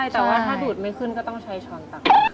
แต่ว่าถ้าดูดไม่ขึ้นก็ต้องใช้ช้อนตัก